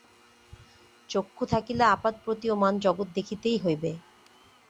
চক্ষু থাকিলে আপাতপ্রতীয়মান জগৎ দেখিতেই হইবে।